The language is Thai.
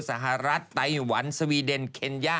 สหรัฐไตวันสวีเดนเคนยา